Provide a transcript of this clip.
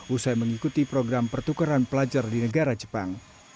usai mengikuti program pertukaran pelajar di negara jepang